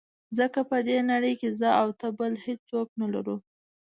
ځکه په دې نړۍ کې زه او ته بل هېڅوک نه لرو.